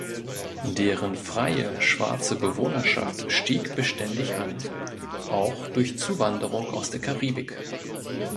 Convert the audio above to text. Deren freie schwarze Bewohnerschaft stieg beständig an, auch durch Zuwanderung aus der Karibik.